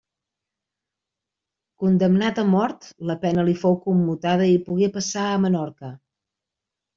Condemnat a mort, la pena li fou commutada i pogué passar a Menorca.